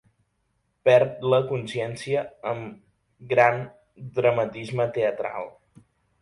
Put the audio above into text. Perd la consciència amb gran dramatisme teatral.